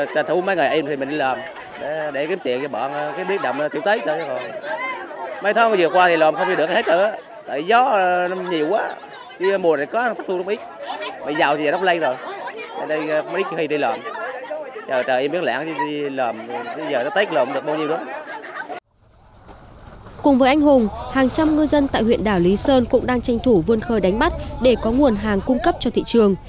cùng với anh hùng hàng trăm ngư dân tại huyện đảo lý sơn cũng đang tranh thủ vươn khơi đánh bắt để có nguồn hàng cung cấp cho thị trường